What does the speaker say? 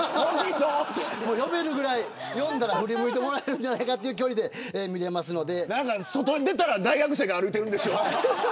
呼べるぐらい呼んだら振り向いてもらえるんじゃないかという外に出たら大学生が歩いてるんでしょ。